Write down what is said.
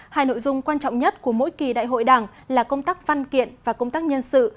hai nội dung quan trọng nhất của mỗi kỳ đại hội đảng là công tác văn kiện và công tác nhân sự